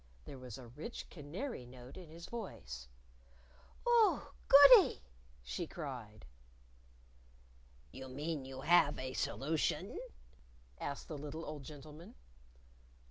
There was a rich canary note in his voice. "Oo! goody!" she cried. "You mean you have a solution?" asked the little old gentleman.